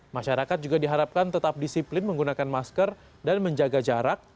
masyarakat juga diharapkan tetap disiplin menggunakan masker dan menjaga jarak